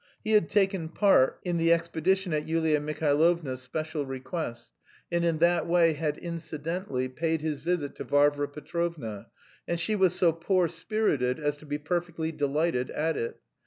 (He had taken part in the expedition at Yulia Mihailovna's special request, and in that way had, incidentally, paid his visit to Varvara Petrovna, and she was so poor spirited as to be perfectly delighted at it.)